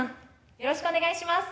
よろしくお願いします